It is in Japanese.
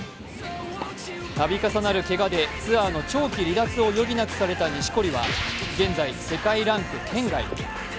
度重なるけがで、ツアーの長期離脱を余儀なくされた錦織は現在、世界ランク圏外。